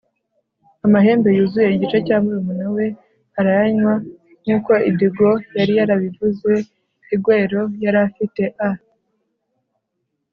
amahembe yuzuye igice cya murumuna we arayanywa. nkuko idigo yari yarabivuze, igwelo yari afite a